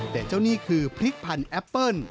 แต่เจ้านี่คือพริกพันธแอปเปิ้ล